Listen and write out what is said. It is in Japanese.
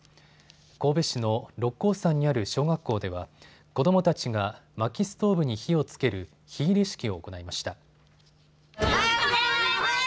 神戸市の六甲山にある小学校では子どもたちがまきストーブに火をつける火入れ式を行いました。